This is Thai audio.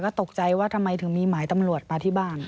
ก็ตกใจว่าทำไมถึงมีหมายตำรวจมาที่บ้าน